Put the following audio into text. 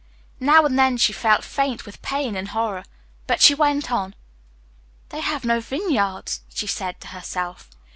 Now and then she felt faint with pain and horror. But she went on. "They have no vineyards," she said to herself.